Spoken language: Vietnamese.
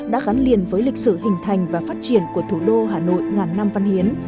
đã gắn liền với lịch sử hình thành và phát triển của thủ đô hà nội ngàn năm văn hiến